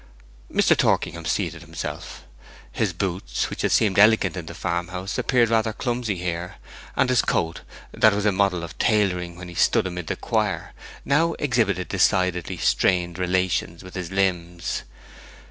Mr. Torkingham seated himself. His boots, which had seemed elegant in the farm house, appeared rather clumsy here, and his coat, that was a model of tailoring when he stood amid the choir, now exhibited decidedly strained relations with his limbs.